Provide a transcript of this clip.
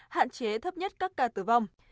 hạn chế thấp nhất các ca tử vong